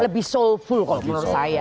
lebih soulful menurut saya